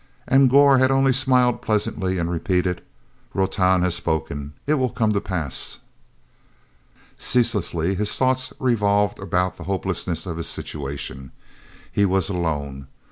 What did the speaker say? And Gor had only smiled pleasantly and repeated "Rotan has spoken. It will come to pass!" Ceaselessly his thoughts revolved about the hopelessness of his situation. He was alone.